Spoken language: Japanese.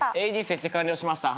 ＡＥＤ設置完了しました。